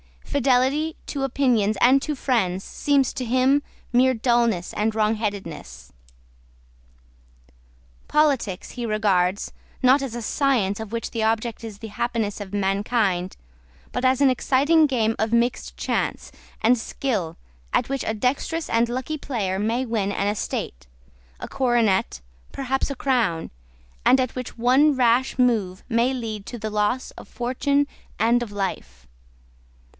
Fidelity to opinions and to friends seems to him mere dulness and wrongheadedness. Politics he regards, not as a science of which the object is the happiness of mankind, but as an exciting game of mixed chance and skill, at which a dexterous and lucky player may win an estate, a coronet, perhaps a crown, and at which one rash move may lead to the loss of fortune and of life.